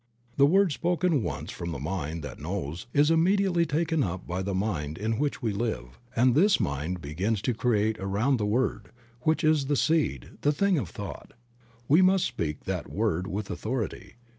The word spoken once from the mind that knows is immediately taken up by the Mind in which we live, and this Mind begins to create around the word, which is the seed, the thing thought of. We must speak that word with authority.